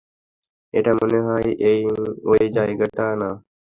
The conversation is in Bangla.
এটা মনে হয় অই জায়গাটা না।